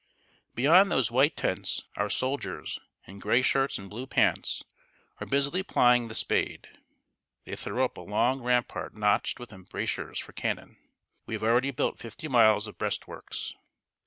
Beyond those white tents our soldiers, in gray shirts and blue pants, are busily plying the spade. They throw up a long rampart notched with embrasures for cannon. We have already built fifty miles of breastworks.